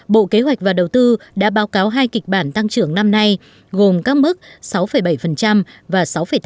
bộ kế hoạch và đầu tư đã báo cáo hai kịch bản tăng trưởng năm nay gồm các mức sáu bảy và sáu tám